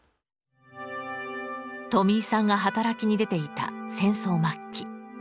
とみいさんが働きに出ていた戦争末期。